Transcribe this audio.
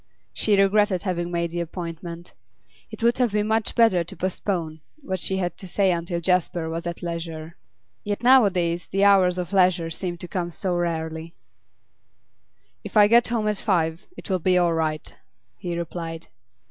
She regretted having made the appointment; it would have been much better to postpone what she had to say until Jasper was at leisure. Yet nowadays the hours of leisure seemed to come so rarely. 'If I get home at five, it'll be all right,' he replied.